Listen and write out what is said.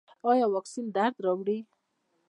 ایا واکسین درد راوړي؟